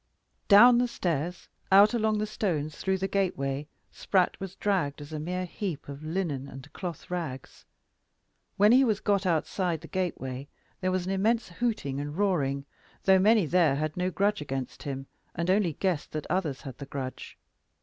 Down the stairs, out along the stones through the gateway, Spratt was dragged as a mere heap of linen and cloth rags. When he was got outside the gateway, there was an immense hooting and roaring, though many there had no grudge against him, and only guessed that others had the grudge.